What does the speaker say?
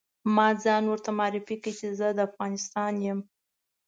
ما ځان ورته معرفي کړ چې زه د افغانستان یم.